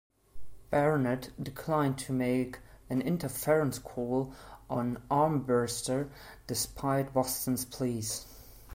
Barnett declined to make an interference call on Armbrister, despite Boston's pleas.